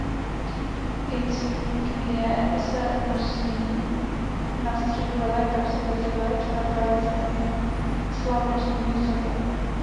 Insignie se nosí na středu levé kapsy košile či na pravé straně slavnostního saka.